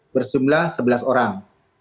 bersumlah sebelas orang